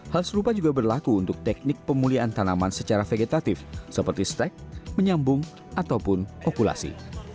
hal serupa juga berlaku untuk teknik pemulihan tanaman secara vegetatif seperti stek menyambung ataupun okulasi